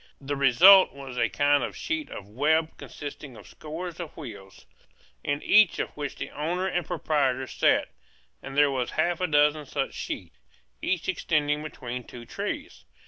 The result was a kind of sheet of web consisting of scores of wheels, in each of which the owner and proprietor sat; and there were half a dozen such sheets, each extending between two trees.